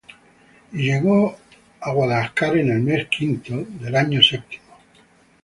Y llegó á Jerusalem en el mes quinto, el año séptimo del rey.